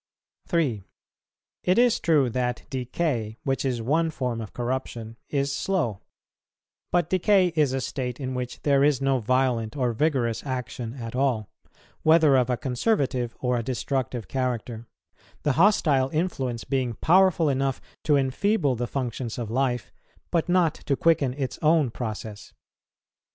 3. It is true that decay, which is one form of corruption, is slow; but decay is a state in which there is no violent or vigorous action at all, whether of a conservative or a destructive character, the hostile influence being powerful enough to enfeeble the functions of life, but not to quicken its own process.